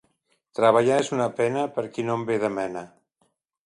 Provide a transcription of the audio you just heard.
Treballar és una pena per a qui no en ve de mena.